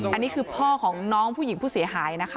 อันนี้คือพ่อของน้องผู้หญิงผู้เสียหายนะคะ